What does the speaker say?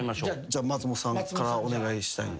じゃあ松本さんからお願いしたい。